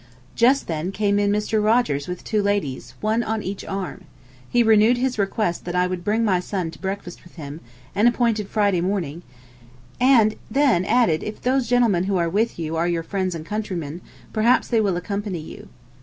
Just then came in Mr. Rogers with two ladies, one on each arm. He renewed his request that I would bring my son to breakfast with him, and appointed Friday morning, and then added if those gentlemen who are with you are your friends and countrymen, perhaps they will accompany you.